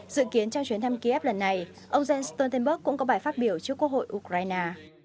dự kiến trong chuyến thăm kiev lần này ông jens stoltenberg cũng có bài phát biểu trước quốc hội ukraine